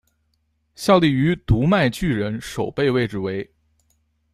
效力于读卖巨人守备位置为。